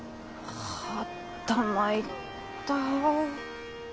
あったまいったい。